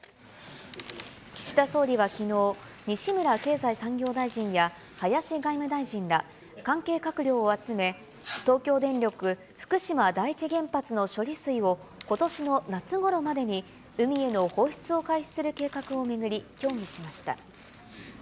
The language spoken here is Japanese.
岸田総理はきのう、西村経済産業大臣や林外務大臣ら関係閣僚を集め、東京電力福島第一原発の処理水をことしの夏ごろまでに海への放出を開始する計画を巡り、協議しました。